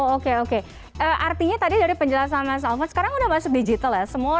oke oke artinya tadi dari penjelasan mas alva sekarang sudah masuk digital ya